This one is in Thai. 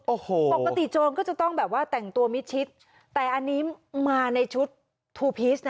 โอ้โหปกติโจรก็จะต้องแบบว่าแต่งตัวมิดชิดแต่อันนี้มาในชุดทูพีชนะ